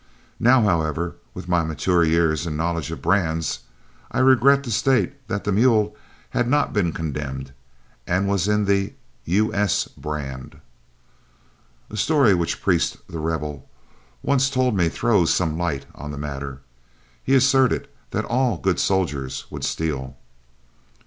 Now, however, with my mature years and knowledge of brands, I regret to state that the mule had not been condemned and was in the "U.S." brand. A story which Priest, "The Rebel," once told me throws some light on the matter; he asserted that all good soldiers would steal.